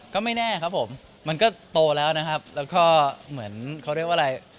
ก็ไม่แน่ครับผมมันก็โตแล้วนะครับแล้วก็เหมือนเขาเรียกว่าอะไร